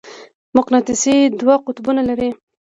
مقناطیس دوه قطبونه لري.